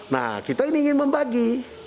nah kita ini ingin membagi